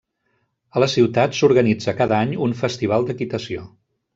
A la ciutat s'organitza cada any un festival d'equitació.